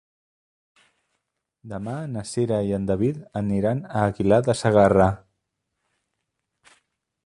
Demà na Cira i en David aniran a Aguilar de Segarra.